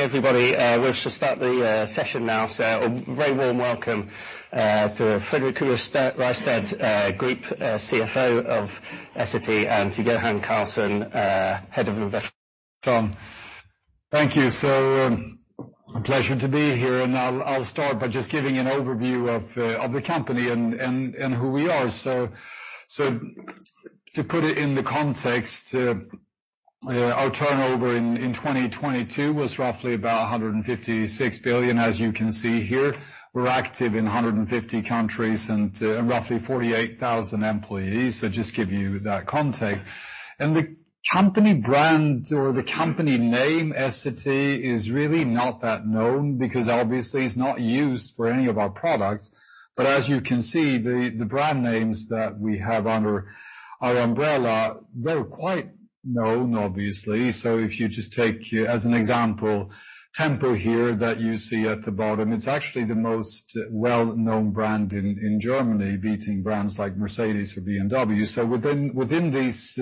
Everybody, we'll just start the session now. A very warm welcome to Fredrik Rystedt, Group CFO of Essity, and I'm Johan Karlsson, Head of Investor Relations. Thank you. A pleasure to be here, and I'll start by just giving an overview of the company and who we are. To put it in the context, our turnover in 2022 was roughly about 156 billion, as you can see here. We're active in 150 countries and roughly 48,000 employees. Just give you that context. And the company brand or the company name, Essity, is really not that known because obviously it's not used for any of our products. As you can see, the brand names that we have under our umbrella, they're quite known, obviously. If you just take, as an example, Tempo here that you see at the bottom, it's actually the most well-known brand in Germany, beating brands like Mercedes or BMW. Within these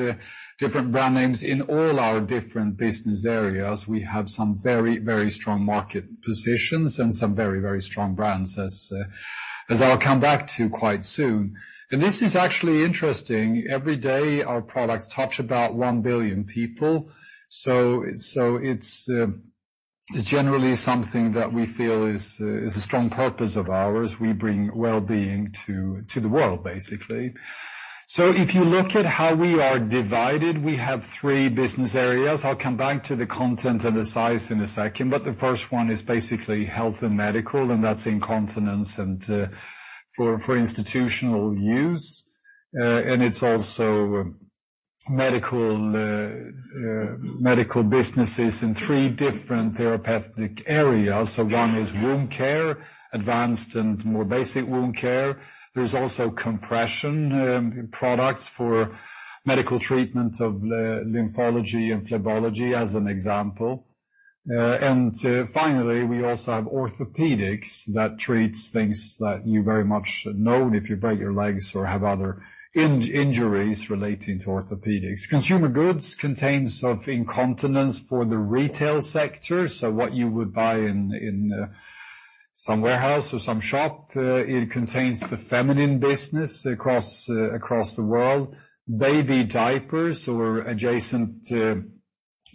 different brand names, in all our different business areas, we have some very, very strong market positions and some very, very strong brands, as I'll come back to quite soon. This is actually interesting. Every day, our products touch about 1 billion people. It's generally something that we feel is a strong purpose of ours. We bring well-being to the world, basically. If you look at how we are divided, we have three business areas. I'll come back to the content and the size in a second. The first one is basically health and medical, and that's Incontinence for institutional use, and it's also medical businesses in three different therapeutic areas. One is wound care, advanced and more basic wound care. There's also compression products for medical treatment of lymphology and phlebology, as an example. Finally, we also have orthopedics that treats things that you very much know if you break your legs or have other injuries relating to orthopedics. Consumer Goods contains of Incontinence for the retail sector. What you would buy in some warehouse or some shop. It contains the Feminine business across the world, Baby Diapers or adjacent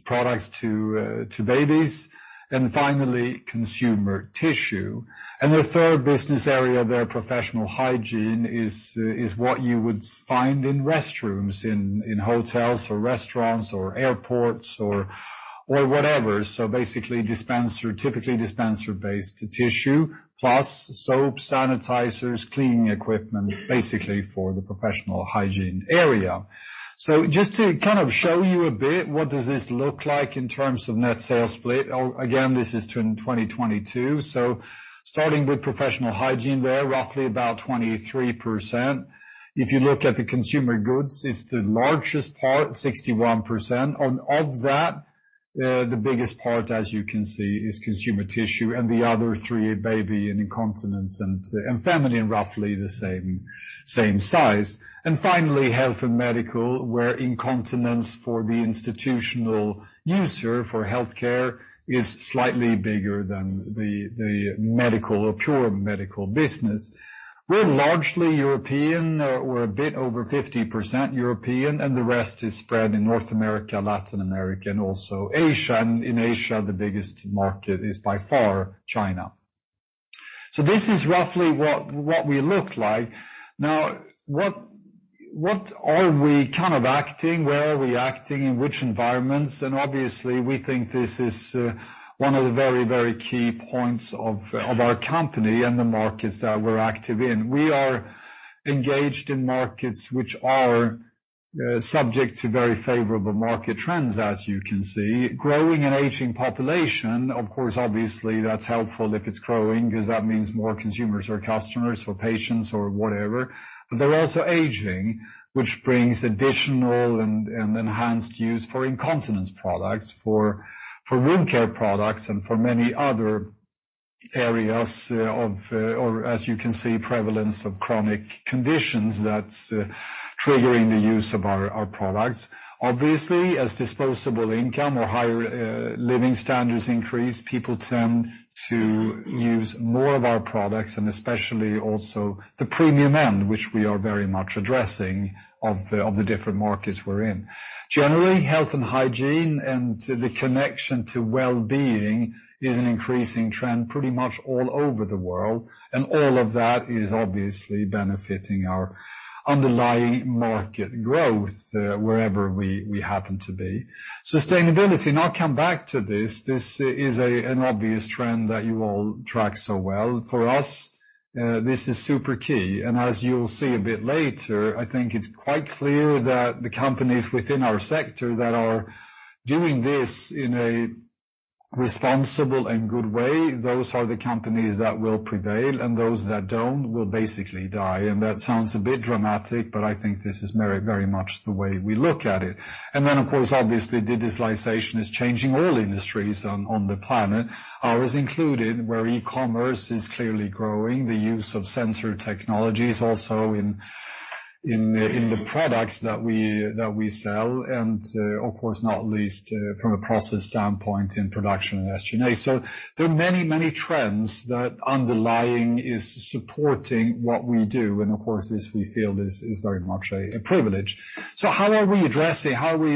products to babies, and finally, Consumer Tissue. The third business area, their Professional Hygiene is what you would find in restrooms, in hotels or restaurants, or airports, or whatever. Basically dispenser, typically dispenser-based tissue, plus soap, sanitizers, cleaning equipment, basically for the Professional Hygiene area. Just to kind of show you a bit, what does this look like in terms of net sales split? Again, this is in 2022. Starting with Professional Hygiene, there, roughly about 23%. If you look at the Consumer Goods, it's the largest part, 61%. Of that, the biggest part, as you can see, is Consumer Tissue, and the other three are Baby and Incontinence and Feminine, and roughly the same size. Finally, Health and Medical, where Incontinence for the institutional user for healthcare is slightly bigger than the medical or pure medical business. We're largely European. We're a bit over 50% European. The rest is spread in North America, Latin America, and also Asia. In Asia, the biggest market is by far China. This is roughly what we look like. Now, what are we kind of acting? Where are we acting, in which environments? Obviously, we think this is one of the very key points of our company and the markets that we're active in. We are engaged in markets which are subject to very favorable market trends, as you can see. Growing and aging population, of course, obviously, that's helpful if it's growing, because that means more consumers or customers or patients or whatever. They're also aging, which brings additional and enhanced use for Incontinence products, for wound care products, and for many other areas of... As you can see, prevalence of chronic conditions that's triggering the use of our products. Obviously, as disposable income or higher living standards increase, people tend to use more of our products, and especially also the premium end, which we are very much addressing of the different markets we're in. Generally, health and hygiene, and the connection to well-being is an increasing trend pretty much all over the world, and all of that is obviously benefiting our underlying market growth wherever we happen to be. Sustainability, and I'll come back to this. This is an obvious trend that you all track so well. For us, this is super key, as you'll see a bit later, I think it's quite clear that the companies within our sector that are doing this in a responsible and good way, those are the companies that will prevail, and those that don't will basically die. That sounds a bit dramatic, but I think this is very, very much the way we look at it. Then, of course, obviously, digitalization is changing all industries on the planet. Ours included, where e-commerce is clearly growing, the use of sensor technology is also in the products that we sell, and of course, not least from a process standpoint in production and SG&A. There are many, many trends that underlying is supporting what we do, and of course, this we feel is very much a privilege. How are we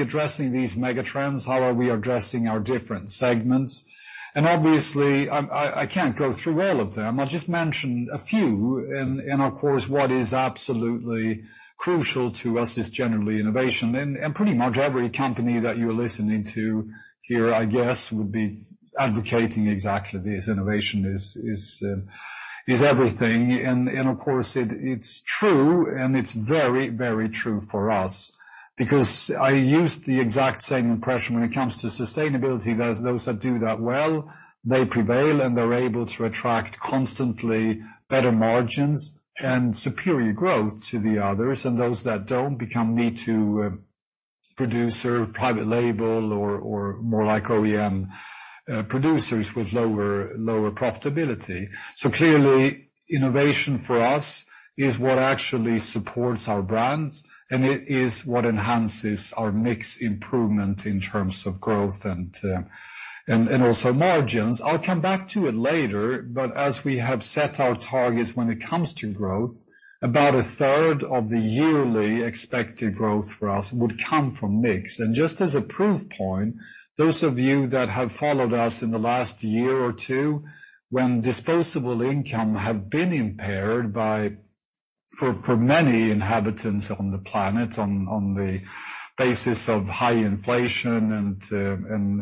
addressing these mega trends? How are we addressing our different segments? Obviously, I can't go through all of them. I'll just mention a few, and of course, what is absolutely crucial to us is generally innovation. Pretty much every company that you're listening to here, I guess, would be advocating exactly this. Innovation is everything. Of course, it's true, and it's very, very true for us because I use the exact same impression when it comes to sustainability. Those that do that well, they prevail, and they're able to attract constantly better margins and superior growth to the others, and those that don't become me too producer, private label, or more like OEM producers with lower profitability. Clearly, innovation for us is what actually supports our brands, and it is what enhances our mix improvement in terms of growth and also margins. I'll come back to it later. As we have set our targets when it comes to growth, about a third of the yearly expected growth for us would come from mix. Just as a proof point, those of you that have followed us in the last year or two, when disposable income have been impaired for many inhabitants on the planet, on the basis of high inflation and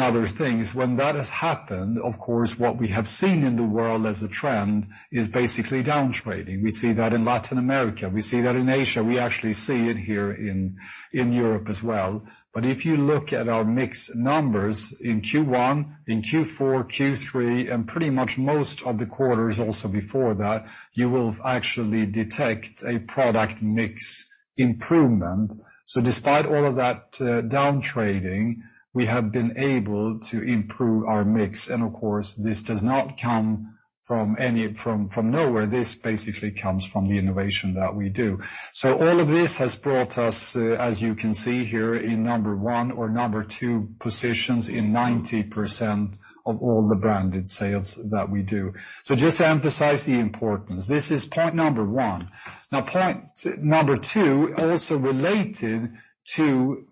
other things, when that has happened, of course, what we have seen in the world as a trend is basically downtrading. We see that in Latin America, we see that in Asia. We actually see it here in Europe as well. If you look at our mix numbers in Q1, in Q4, Q3, and pretty much most of the quarters also before that, you will actually detect a product mix improvement. Despite all of that, downtrading, we have been able to improve our mix, and of course, this does not come from nowhere. This basically comes from the innovation that we do. All of this has brought us, as you can see here in number one or number two positions in 90% of all the branded sales that we do. Just to emphasize the importance, this is point number one. Point number two, also related to,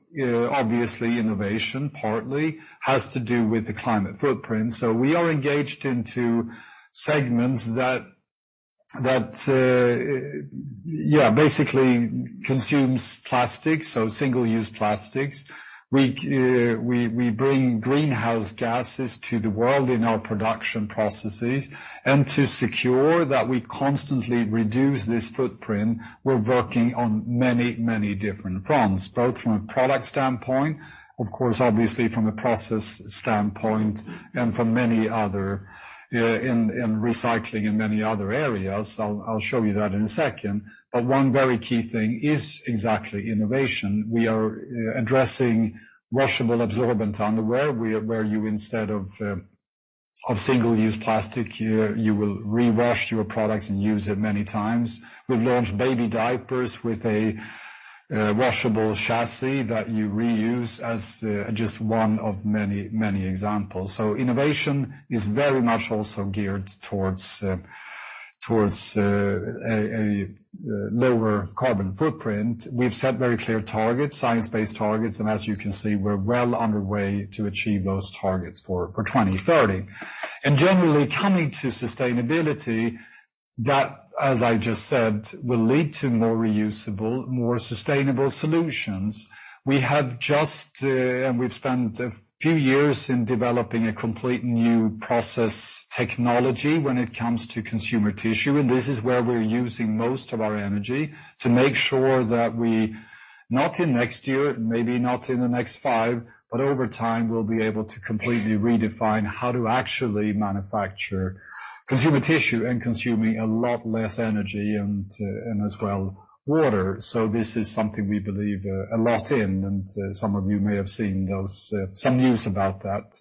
obviously innovation, partly, has to do with the climate footprint. We are engaged into segments that basically consumes plastic, so single-use plastics. We bring greenhouse gases to the world in our production processes. To secure that we constantly reduce this footprint, we're working on many different fronts, both from a product standpoint, of course, obviously from a process standpoint, and from many other in recycling and many other areas. I'll show you that in a second. One very key thing is exactly innovation. We are addressing washable, absorbent underwear, where you instead of single-use plastic, you will rewash your products and use it many times. We've launched Baby Diapers with a washable chassis that you reuse as just one of many examples. Innovation is very much also geared towards a lower carbon footprint. We've set very clear targets, science-based targets, as you can see, we're well on our way to achieve those targets for 2030. Generally, coming to sustainability, that, as I just said, will lead to more reusable, more sustainable solutions. We have just and we've spent a few years in developing a complete new process technology when it comes to Consumer Tissue, and this is where we're using most of our energy to make sure that we, not in next year, maybe not in the next five, but over time, we'll be able to completely redefine how to actually manufacture Consumer Tissue and consuming a lot less energy and as well, water. This is something we believe a lot in, and some of you may have seen those some news about that.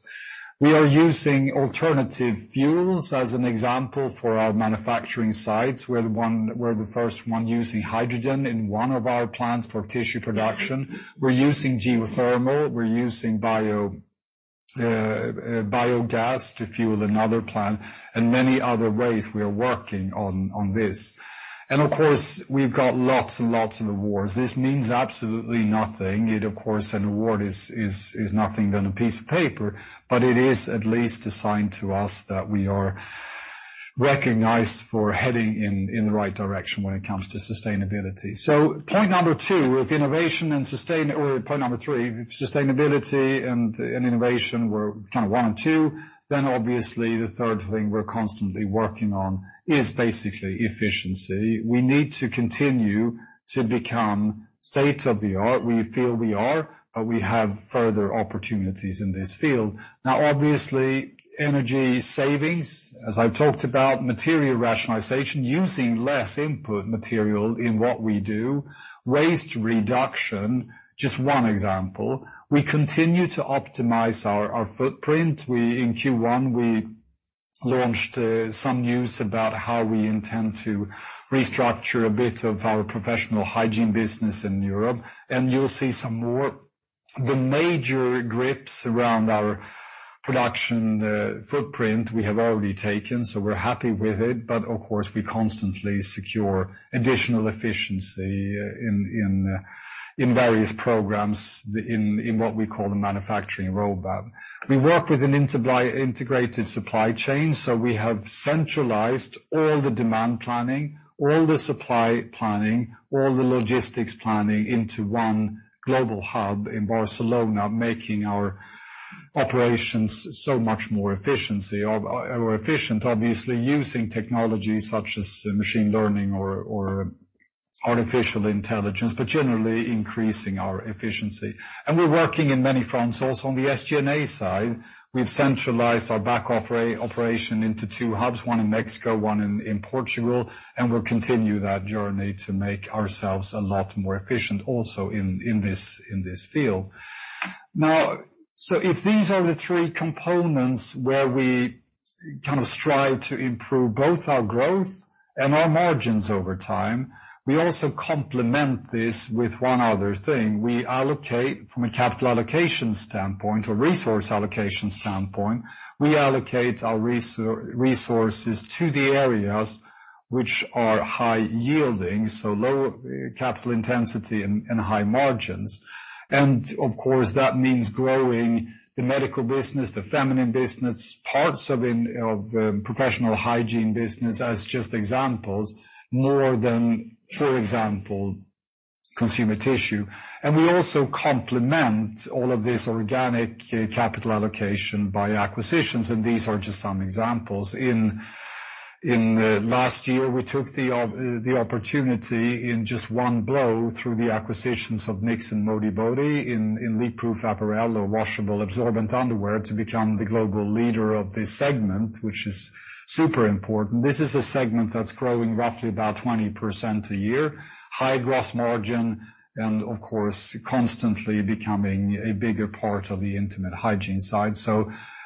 We are using alternative fuels as an example, for our manufacturing sites. We're the first one using hydrogen in one of our plants for tissue production. We're using geothermal, we're using bio biogas to fuel another plant, and many other ways we are working on this. Of course, we've got lots and lots of awards. This means absolutely nothing. It of course, an award is nothing but a piece of paper, but it is at least a sign to us that we are recognized for heading in the right direction when it comes to sustainability. Point number two, if innovation or point number three, sustainability and innovation were kind of one and two, then obviously the third thing we're constantly working on is basically efficiency. We need to continue to become state-of-the-art. We feel we are, but we have further opportunities in this field. Now, obviously, energy savings, as I've talked about, material rationalization, using less input material in what we do, waste reduction, just one example. We continue to optimize our footprint. In Q1, we launched some news about how we intend to restructure a bit of our professional hygiene business in Europe, and you'll see some more. The major grips around our production footprint, we have already taken, so we're happy with it, but of course, we constantly secure additional efficiency in various programs, in what we call the manufacturing roadmap. We work with an integrated, integrated supply chain, we have centralized all the demand planning, all the supply planning, all the logistics planning into one global hub in Barcelona, making our operations so much more efficiency or efficient, obviously, using technology such as machine learning or artificial intelligence, but generally increasing our efficiency. We're working in many fronts. Also, on the SG&A side, we've centralized our back-office operation into two hubs, one in Mexico, one in Portugal, and we'll continue that journey to make ourselves a lot more efficient also in this field. If these are the three components where we kind of strive to improve both our growth and our margins over time, we also complement this with one other thing. We allocate from a capital allocation standpoint or resource allocation standpoint, we allocate our resources to the areas which are high yielding, so low capital intensity and high margins. Of course, that means growing the medical business, the Feminine business, parts of the professional hygiene business as just examples, more than, for example, Consumer Tissue. We also complement all of this organic capital allocation by acquisitions, and these are just some examples. Last year, we took the opportunity in just one blow through the acquisitions of Knix and Modibodi in leakproof apparel or washable, absorbent underwear to become the global leader of this segment, which is super important. This is a segment that's growing roughly about 20% a year, high gross margin, and of course, constantly becoming a bigger part of the intimate hygiene side.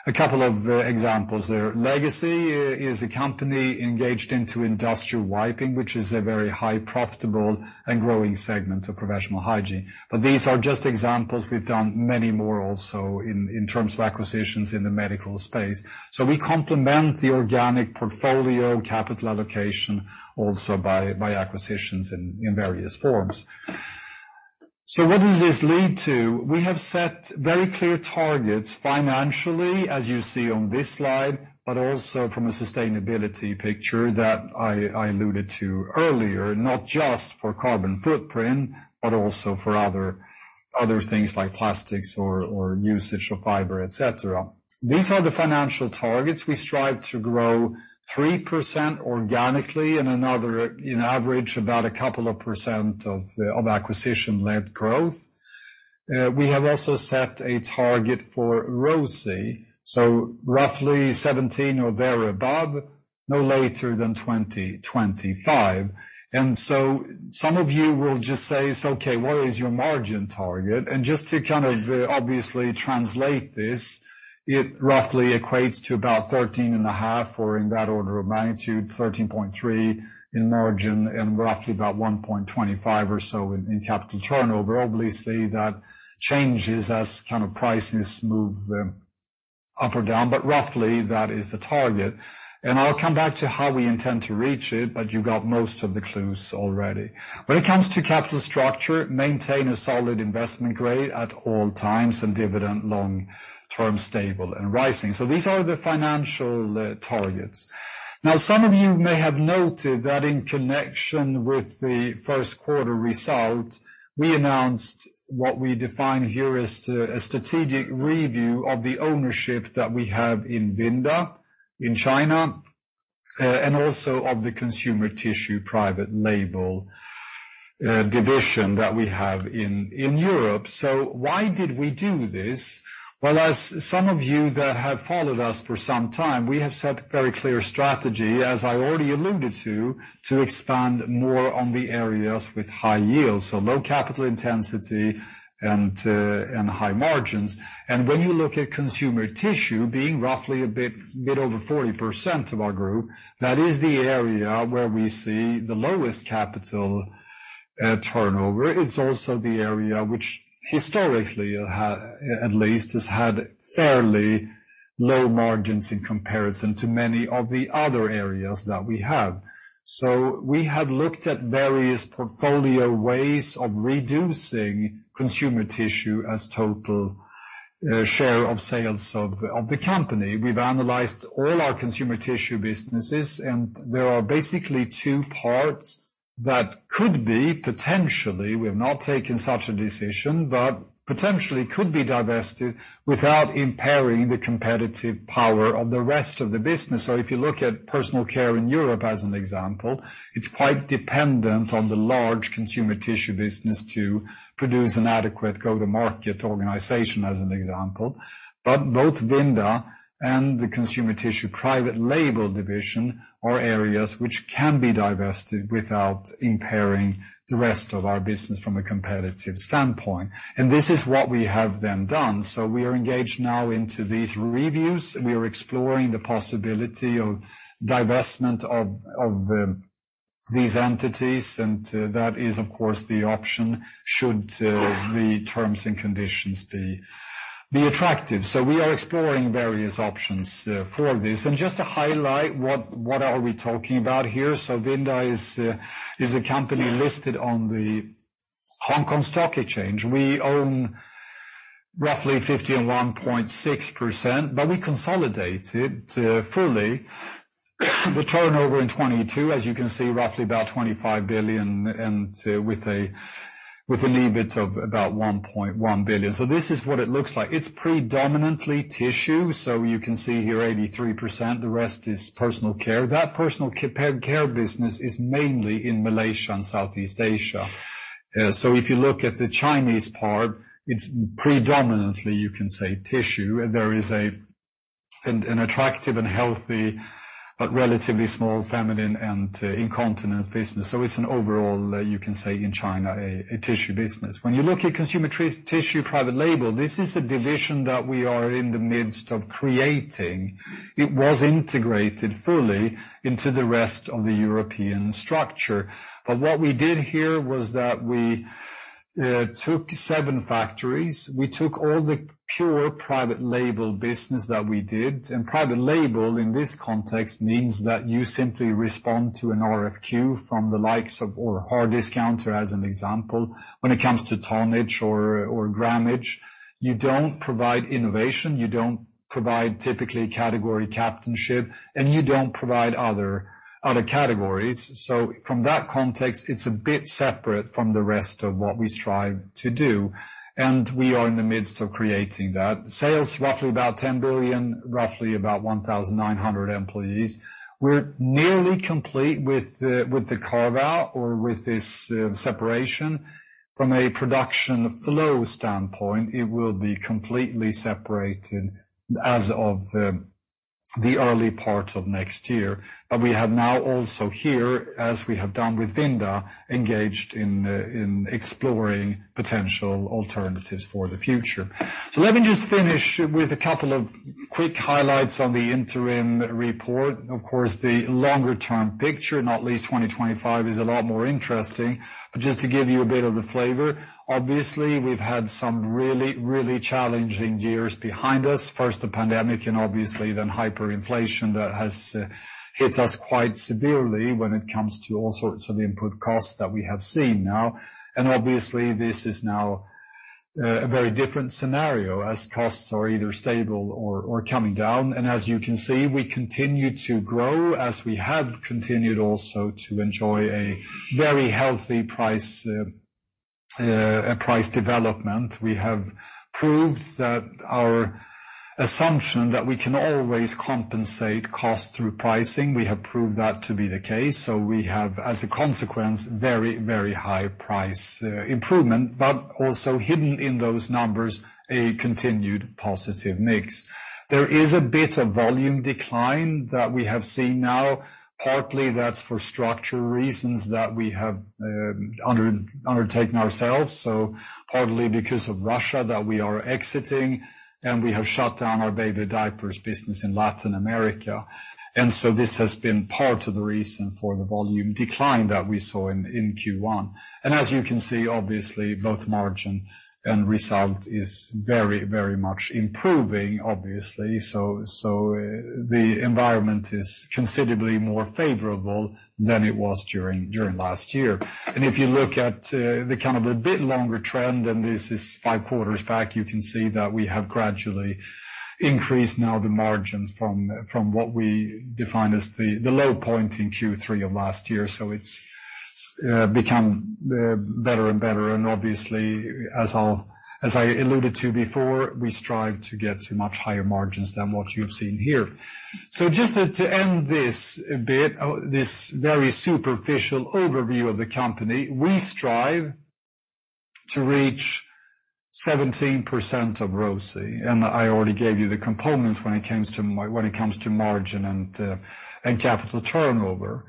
A couple of examples there. Legacy is a company engaged into industrial wiping, which is a very high profitable and growing segment of professional hygiene. These are just examples. We've done many more also in terms of acquisitions in the medical space. We complement the organic portfolio capital allocation also by acquisitions in various forms. What does this lead to? We have set very clear targets financially, as you see on this slide, but also from a sustainability picture that I alluded to earlier, not just for carbon footprint, but also for other things like plastics or usage of fiber, et cetera. These are the financial targets. We strive to grow 3% organically and another, in average, about a couple of % of acquisition-led growth. We have also set a target for ROCE, so roughly 17% or there above, no later than 2025. Some of you will just say, "Okay, what is your margin target?" Just to kind of obviously translate this, it roughly equates to about 13.5%, or in that order of magnitude, 13.3% in margin, and roughly about 1.25 or so in capital turnover. Obviously, that changes as kind of prices move up or down, but roughly that is the target. I'll come back to how we intend to reach it, but you got most of the clues already. When it comes to capital structure, maintain a solid investment grade at all times and dividend long-term stable and rising. These are the financial targets. Some of you may have noted that in connection with the first quarter result, we announced what we define here as a strategic review of the ownership that we have in Vinda, in China, and also of the Consumer Tissue private label division that we have in Europe. Why did we do this? Well, as some of you that have followed us for some time, we have set very clear strategy, as I already alluded to expand more on the areas with high yields, so low capital intensity and high margins. When you look at Consumer Tissue being roughly a bit over 40% of our group, that is the area where we see the lowest capital turnover. It's also the area which historically, at least, has had fairly low margins in comparison to many of the other areas that we have. We have looked at various portfolio ways of reducing Consumer Tissue as total, share of sales of the company. We've analyzed all our Consumer Tissue businesses, and there are basically two parts that could be potentially, we have not taken such a decision, but potentially could be divested without impairing the competitive power of the rest of the business. If you look at personal care in Europe, as an example, it's quite dependent on the large Consumer Tissue business to produce an adequate go-to-market organization, as an example. Both Vinda and the Consumer Tissue private label division are areas which can be divested without impairing the rest of our business from a competitive standpoint. This is what we have then done. We are engaged now into these reviews, and we are exploring the possibility of divestment of these entities, and that is, of course, the option should the terms and conditions be attractive. We are exploring various options for this. Just to highlight what are we talking about here? Vinda is a company listed on the Hong Kong Stock Exchange. We own roughly 51.6%, but we consolidated fully. The turnover in 2022, as you can see, roughly about 25 billion, and with an EBIT of about 1.1 billion. This is what it looks like. It's predominantly tissue, so you can see here, 83%, the rest is personal care. That personal care business is mainly in Malaysia and Southeast Asia. If you look at the Chinese part, it's predominantly, you can say, tissue. There is an attractive and healthy, but relatively small, Feminine and Incontinence business. It's an overall, you can say, in China, a tissue business. When you look at Consumer Tissue private label, this is a division that we are in the midst of creating. It was integrated fully into the rest of the European structure. What we did here was that we took seven factories. We took all the pure private label business that we did, and private label, in this context, means that you simply respond to an RFQ from the likes of... or hard discounter, as an example. When it comes to tonnage or grammage, you don't provide innovation, you don't provide typically, category captainship, and you don't provide other categories. From that context, it's a bit separate from the rest of what we strive to do, and we are in the midst of creating that. Sales, roughly about 10 billion, roughly about 1,900 employees. We're nearly complete with the carve-out or with this separation. From a production flow standpoint, it will be completely separated as of the early part of next year. We have now also here, as we have done with Vinda, engaged in exploring potential alternatives for the future. Let me just finish with a couple of quick highlights on the interim report. Of course, the longer term picture, not least 2025, is a lot more interesting, but just to give you a bit of the flavor, obviously, we've had some really, really challenging years behind us. First, the pandemic and obviously then hyperinflation that has hit us quite severely when it comes to all sorts of input costs that we have seen now. Obviously, this is now a very different scenario as costs are either stable or coming down. As you can see, we continue to grow as we have continued also to enjoy a very healthy price development. We have proved that our assumption that we can always compensate cost through pricing, we have proved that to be the case. We have, as a consequence, very, very high price improvement, but also hidden in those numbers, a continued positive mix. There is a bit of volume decline that we have seen now. Partly that's for structural reasons that we have undertaken ourselves, so partly because of Russia, that we are exiting, and we have shut down our Baby Diapers business in Latin America. This has been part of the reason for the volume decline that we saw in Q1. As you can see, obviously, both margin and result is very much improving, obviously. The environment is considerably more favorable than it was during last year. If you look at the kind of a bit longer trend, and this is five quarters back, you can see that we have gradually increased now the margins from what we define as the low point in Q3 of last year. It's become better and better, and obviously, as I alluded to before, we strive to get to much higher margins than what you've seen here. Just to end this a bit, this very superficial overview of the company, we strive to reach 17% of ROCE, and I already gave you the components when it comes to margin and capital turnover.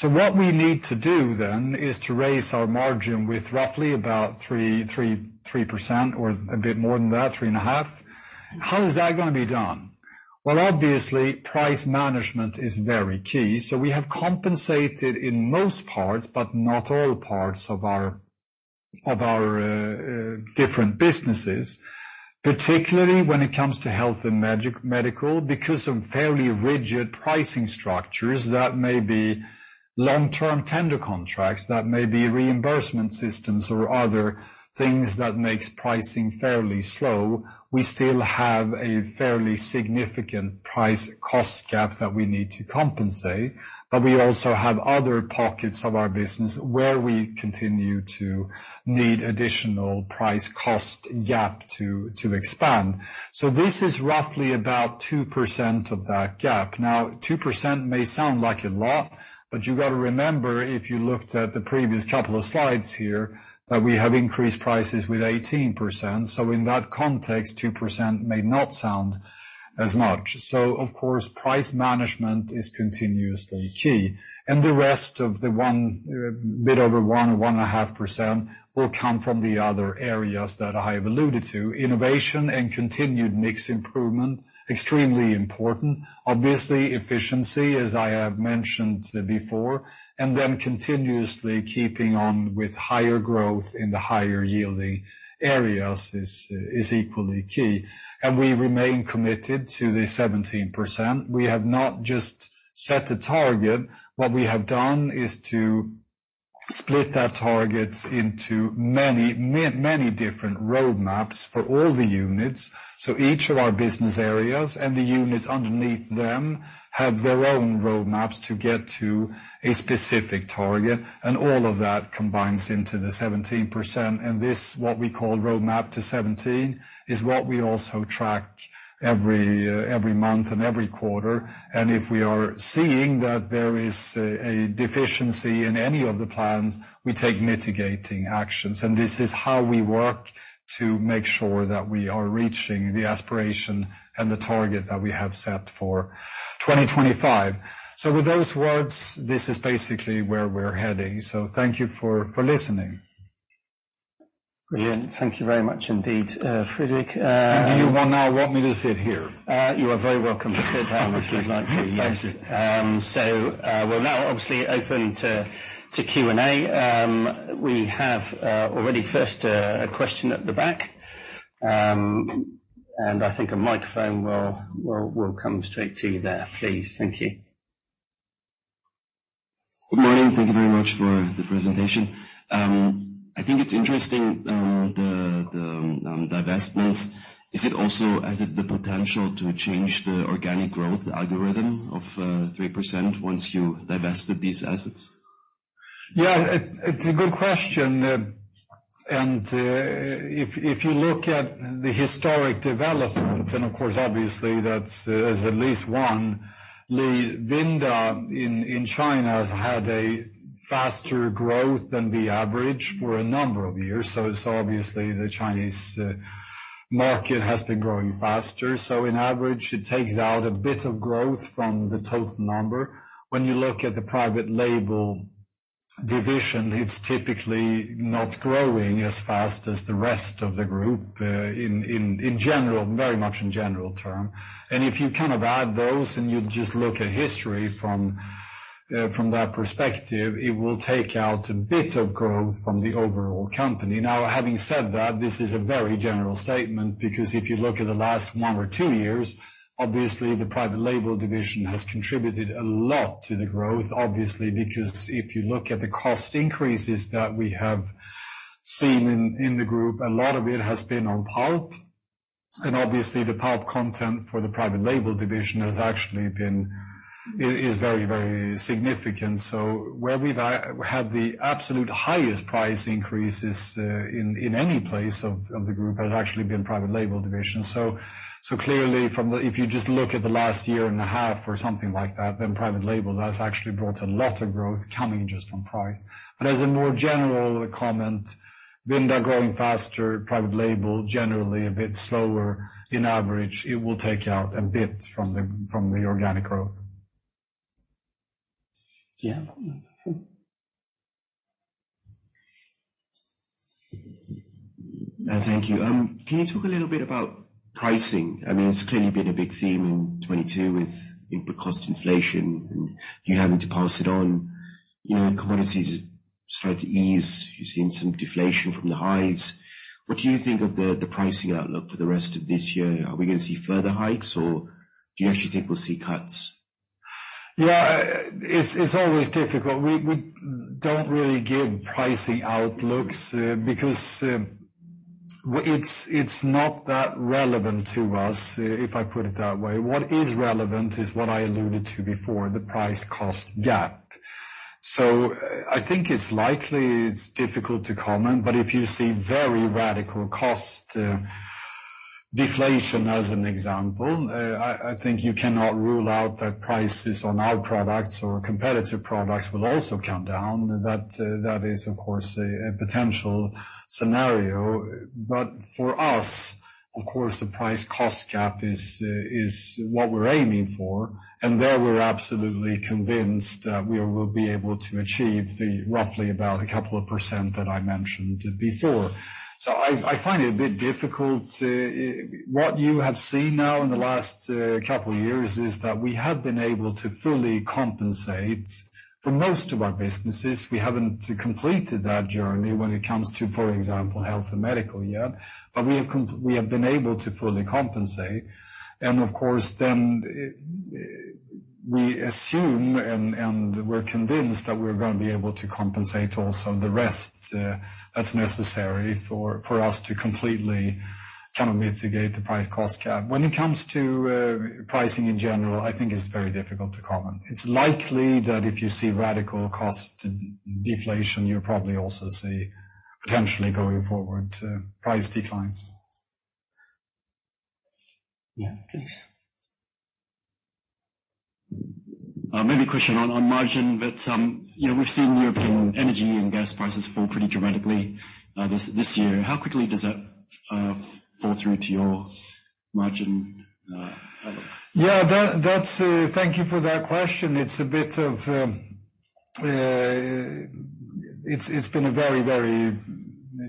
What we need to do then, is to raise our margin with roughly about 3%, or a bit more than that, 3.5%. How is that going to be done? Well, obviously, price management is very key. We have compensated in most parts, but not all parts of our different businesses, particularly when it comes to health and medical, because of fairly rigid pricing structures that may be long-term tender contracts, that may be reimbursement systems or other things that makes pricing fairly slow. We still have a fairly significant price cost gap that we need to compensate, but we also have other pockets of our business where we continue to need additional price cost gap to expand. This is roughly about 2% of that gap. 2% may sound like a lot, but you've got to remember, if you looked at the previous couple of slides here, that we have increased prices with 18%, in that context, 2% may not sound as much. Of course, price management is continuously key, and the rest of the 1.5% will come from the other areas that I have alluded to. Innovation and continued mix improvement, extremely important. Obviously, efficiency, as I have mentioned before, and then continuously keeping on with higher growth in the higher yielding areas is equally key, and we remain committed to the 17%. We have not just set a target. What we have done is to split that target into many, many different roadmaps for all the units. Each of our business areas and the units underneath them have their own roadmaps to get to a specific target, and all of that combines into the 17%. And this, what we call Roadmap to Seventeen, is what we also track every month and every quarter. If we are seeing that there is a deficiency in any of the plans, we take mitigating actions, and this is how we work to make sure that we are reaching the aspiration and the target that we have set for 2025. With those words, this is basically where we're heading. Thank you for listening. Brilliant. Thank you very much indeed, Fredrik, Do you now want me to sit here? You are very welcome to sit down if you'd like to. Yes. We'll now obviously open to Q&A. I think a microphone will come straight to you there, please. Thank you. Good morning. Thank you very much for the presentation. I think it's interesting, the divestments. Has it the potential to change the organic growth algorithm of 3% once you divested these assets? Yeah, it's a good question. If you look at the historic development, and of course, obviously that's, is at least one, lead. Vinda in China has had a faster growth than the average for a number of years, so it's obviously the Chinese market has been growing faster. On average, it takes out a bit of growth from the total number. When you look at the private label division, it's typically not growing as fast as the rest of the group, in general, very much in general term. If you kind of add those, and you just look at history from that perspective, it will take out a bit of growth from the overall company. Having said that, this is a very general statement, because if you look at the last one or two years, obviously the private label division has contributed a lot to the growth, obviously, because if you look at the cost increases that we have seen in the group, a lot of it has been on pulp. Obviously, the pulp content for the private label division is very, very significant. Where we've had the absolute highest price increases in any place of the group has actually been private label division. Clearly from the. If you just look at the last year and a half or something like that, private label has actually brought a lot of growth coming just from price. As a more general comment, Vinda growing faster, private label, generally a bit slower in average, it will take out a bit from the organic growth. Yeah. Thank you. Can you talk a little bit about pricing? I mean, it's clearly been a big theme in 2022 with input cost inflation and you having to pass it on. You know, commodities start to ease. You've seen some deflation from the highs. What do you think of the pricing outlook for the rest of this year? Are we going to see further hikes, or do you actually think we'll see cuts? Yeah, it's always difficult. We don't really give pricing outlooks, because it's not that relevant to us, if I put it that way. What is relevant is what I alluded to before, the price-cost gap. I think it's likely, it's difficult to comment, but if you see very radical cost, deflation, as an example, I think you cannot rule out that prices on our products or competitive products will also come down. That is, of course, a potential scenario. For us, of course, the price-cost gap is what we're aiming for, and there we're absolutely convinced that we will be able to achieve the roughly about a couple of percent that I mentioned before. I find it a bit difficult to... What you have seen now in the last couple of years is that we have been able to fully compensate for most of our businesses. We haven't completed that journey when it comes to, for example, health and medical yet, but we have been able to fully compensate. Of course, then, we assume and we're convinced that we're going to be able to compensate also the rest that's necessary for us to completely kind of mitigate the price-cost gap. When it comes to pricing in general, I think it's very difficult to comment. It's likely that if you see radical cost deflation, you'll probably also see potentially going forward price declines. Yeah, please. Maybe a question on margin, but, you know, we've seen European energy and gas prices fall pretty dramatically, this year. How quickly does that fall through to your margin, outlook? Yeah, that's. Thank you for that question. It's been a very, very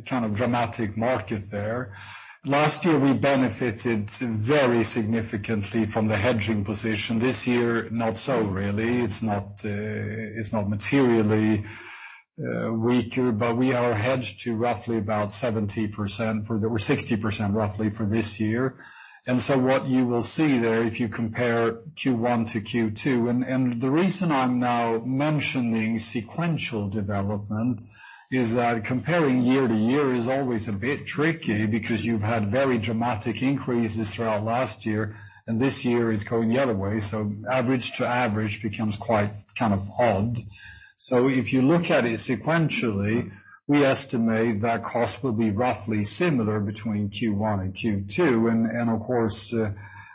kind of dramatic market there. Last year, we benefited very significantly from the hedging position. This year, not so really. It's not, it's not materially weaker, but we are hedged to roughly about 70% for the or 60%, roughly, for this year. What you will see there, if you compare Q1 to Q2, and the reason I'm now mentioning sequential development, is that comparing year-over-year is always a bit tricky, because you've had very dramatic increases throughout last year, and this year it's going the other way, so average to average becomes quite kind of odd. If you look at it sequentially, we estimate that cost will be roughly similar between Q1 and Q2. Of course,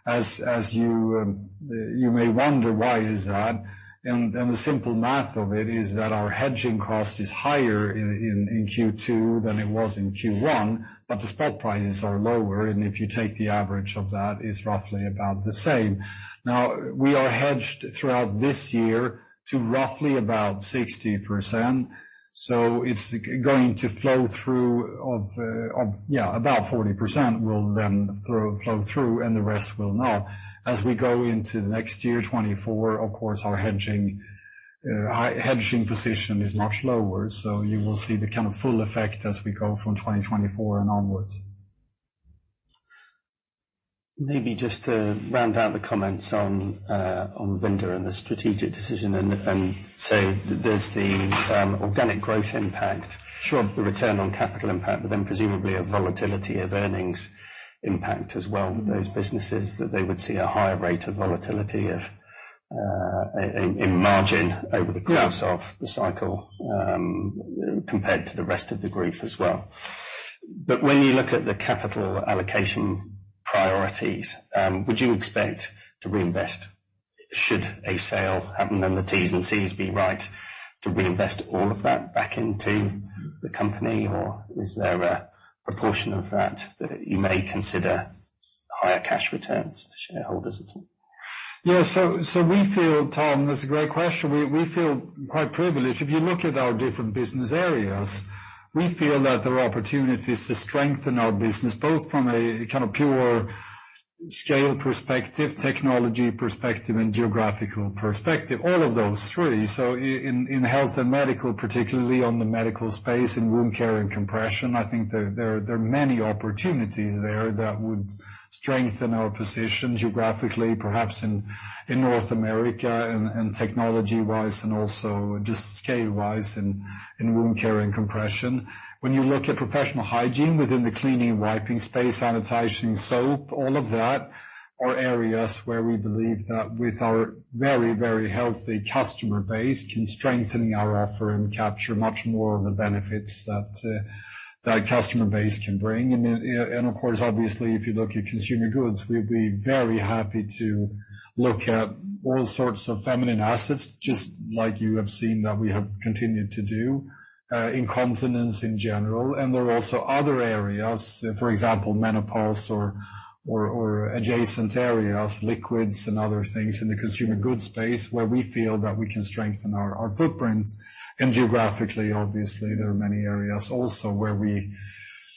as you may wonder, why is that? The simple math of it is that our hedging cost is higher in Q2 than it was in Q1, but the spot prices are lower, and if you take the average of that, it's roughly about the same. Now, we are hedged throughout this year to roughly about 60%, so it's going to flow through. Yeah, about 40% will then flow through, and the rest will not. As we go into the next year, 2024, of course, our hedging position is much lower, so you will see the kind of full effect as we go from 2024 and onwards. Maybe just to round out the comments on Vinda and the strategic decision and, there's the organic growth impact. Sure, the return on capital impact, presumably a volatility of earnings impact as well. Those businesses, that they would see a higher rate of volatility of, in margin over the course. Yeah. of the cycle, compared to the rest of the group as well. When you look at the capital allocation priorities, would you expect to reinvest? Should a sale happen, and the T's and C's be right, to reinvest all of that back into the company, or is there a proportion of that you may consider higher cash returns to shareholders at all? We feel, Tom, that's a great question. We feel quite privileged. If you look at our different business areas, we feel that there are opportunities to strengthen our business, both from a kind of pure scale perspective, technology perspective, and geographical perspective. All of those, three. In health and medical, particularly on the medical space, in wound care and compression, I think there are many opportunities there that would strengthen our position geographically, perhaps in North America and technology wise, and also just scale wise in wound care and compression. When you look at professional hygiene within the cleaning, wiping space, sanitizing, soap, all of that, are areas where we believe that with our very healthy customer base, can strengthen our offer and capture much more of the benefits that that customer base can bring. Of course, obviously, if you look at Consumer Goods, we'd be very happy to look at all sorts of feminine assets, just like you have seen that we have continued to do, Incontinence in general. There are also other areas, for example, menopause or adjacent areas, liquids and other things in the Consumer Goods space, where we feel that we can strengthen our footprint. Geographically, obviously, there are many areas also where we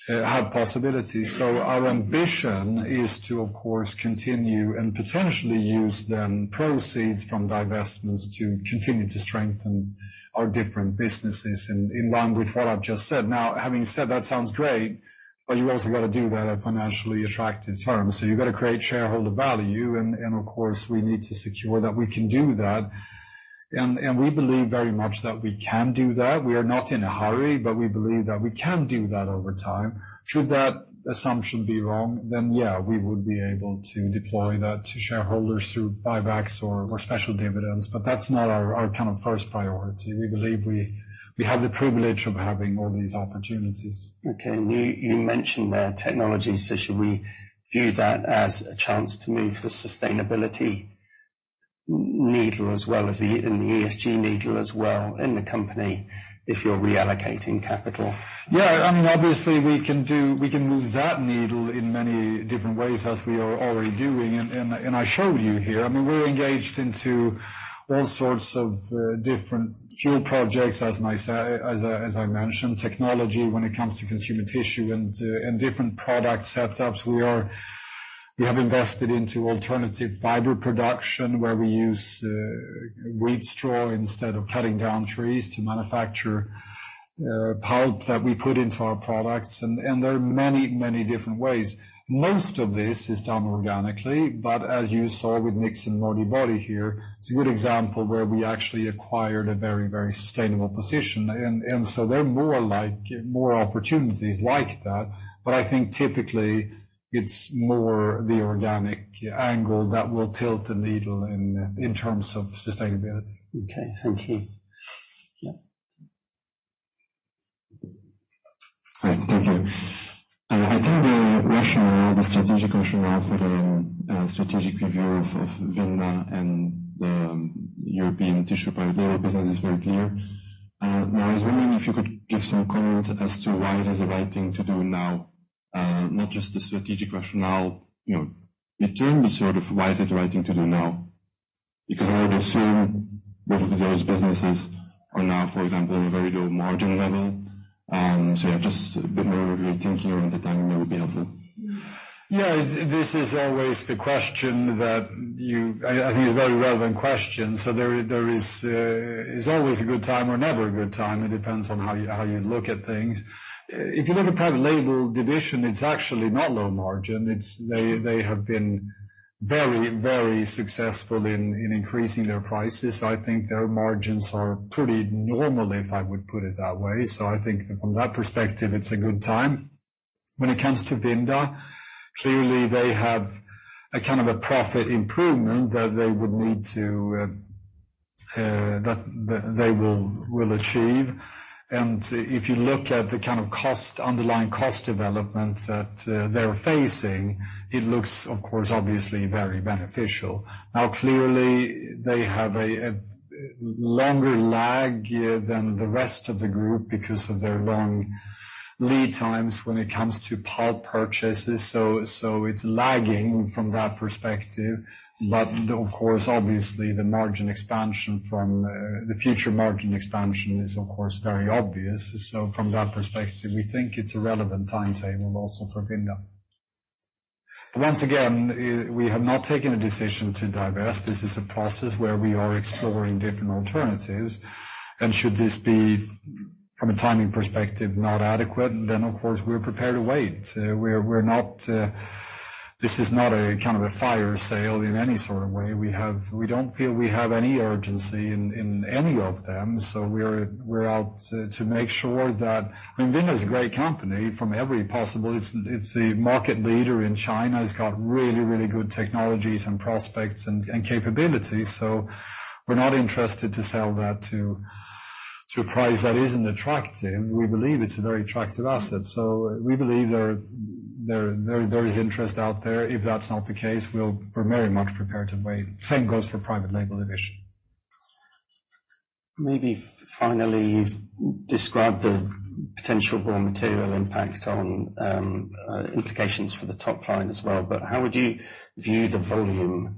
have possibilities. Our ambition is to, of course, continue and potentially use then proceeds from divestments to continue to strengthen our different businesses in line with what I've just said. Now, having said that, sounds great, but you've also got to do that at financially attractive terms. You've got to create shareholder value, and of course, we need to secure that we can do that. We believe very much that we can do that. We are not in a hurry, but we believe that we can do that over time. Should that assumption be wrong, then, yeah, we would be able to deploy that to shareholders through buybacks or special dividends, but that's not our kind of first priority. We believe we have the privilege of having all these opportunities. Okay. You mentioned the technology, should we view that as a chance to move the sustainability needle, in the ESG needle as well in the company, if you're reallocating capital? Yeah. I mean, obviously, we can move that needle in many different ways, as we are already doing. I showed you here, I mean, we're engaged into all sorts of different fuel projects, as I mentioned, technology when it comes to Consumer Tissue and different product setups. We have invested into alternative fiber production, where we use wheat straw instead of cutting down trees to manufacture pulp that we put into our products, and there are many, many different ways. Most of this is done organically, but as you saw with Knix and Modibodi here, it's a good example where we actually acquired a very, very sustainable position. They're more like opportunities like that, but I think typically it's more the organic angle that will tilt the needle in terms of sustainability. Okay, thank you. Yeah. Hi, thank you. I think the rationale, the strategic rationale for the strategic review of Vinda and the European tissue particular business is very clear. I was wondering if you could give some comments as to why it is the right thing to do now, not just the strategic rationale, you know, it can be sort of why is it the right thing to do now? I would assume both of those businesses are now, for example, in a very low margin level. Yeah, just a bit more of your thinking around the timing that would be helpful. This is always the question that I think it's a very relevant question. There is always a good time or never a good time. It depends on how you look at things. If you look at private label division, it's actually not low margin. They have been very successful in increasing their prices. I think their margins are pretty normal, if I would put it that way. I think from that perspective, it's a good time. When it comes to Vinda, clearly, they have a kind of a profit improvement that they would need to that they will achieve. If you look at the kind of cost, underlying cost development that they're facing, it looks, of course, obviously very beneficial. Clearly, they have a longer lag than the rest of the group because of their long lead times when it comes to pulp purchases, so it's lagging from that perspective. Of course, obviously, the margin expansion from the future margin expansion is, of course, very obvious. From that perspective, we think it's a relevant timetable also for Vinda. Once again, we have not taken a decision to divest. This is a process where we are exploring different alternatives, and should this be, from a timing perspective, not adequate, then of course, we're prepared to wait. We're not, this is not a kind of a fire sale in any sort of way. We don't feel we have any urgency in any of them, so we're out to make sure that... I mean, Vinda is a great company from every possible... It's the market leader in China. It's got really good technologies and prospects and capabilities, so we're not interested to sell that to a price that isn't attractive. We believe it's a very attractive asset, so we believe there is interest out there. If that's not the case, We're very much prepared to wait. Same goes for private label division. Maybe finally, you've described the potential raw material impact on implications for the top line as well, but how would you view the volume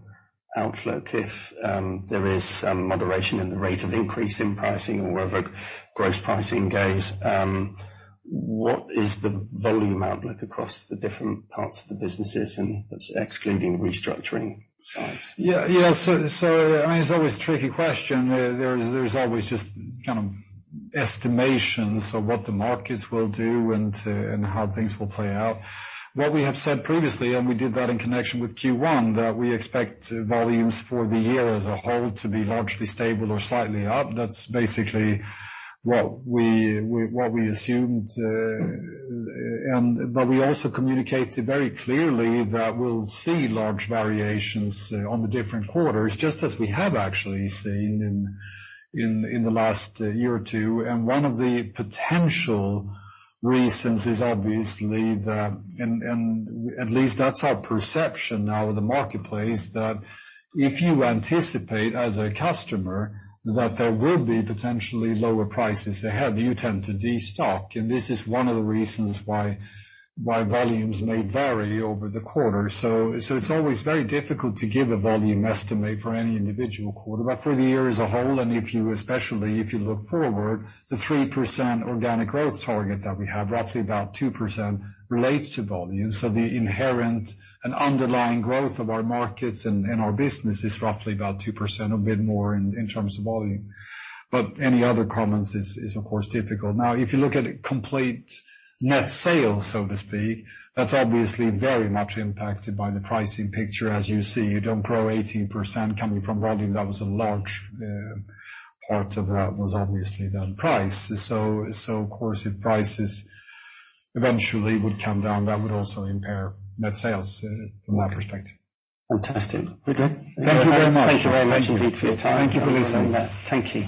outlook if there is some moderation in the rate of increase in pricing or wherever gross pricing goes? What is the volume outlook across the different parts of the businesses, and that's excluding restructuring sides? Yeah. I mean, it's always a tricky question. There is always just kind of estimations of what the markets will do and how things will play out. What we have said previously, and we did that in connection with Q1, that we expect volumes for the year as a whole to be largely stable or slightly up. That's basically what we assumed. We also communicated very clearly that we'll see large variations on the different quarters, just as we have actually seen in the last year or two. One of the potential reasons is obviously that, and at least that's our perception now of the marketplace, that if you anticipate, as a customer, that there will be potentially lower prices ahead, you tend to destock, and this is one of the reasons why volumes may vary over the quarter. It's always very difficult to give a volume estimate for any individual quarter, but for the year as a whole, and if you, especially, if you look forward, the 3% organic growth target that we have, roughly about 2% relates to volume. The inherent and underlying growth of our markets and our business is roughly about 2%, a bit more in terms of volume, but any other comments is of course, difficult. If you look at complete net sales, so to speak, that's obviously very much impacted by the pricing picture. You don't grow 18% coming from volume. That was a large part of that was obviously the price. Of course, if prices eventually would come down, that would also impair net sales from that perspective. Fantastic. Thank you very much. Thank you very much indeed for your time. Thank you for listening. Thank you.